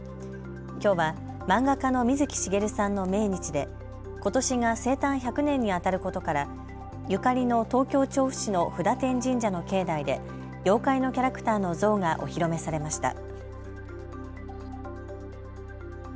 きょうは漫画家の水木しげるさんの命日でことしが生誕１００年にあたることからゆかりの東京調布市の布多天神社の境内で妖怪のキャラクターの像がお披露目されました。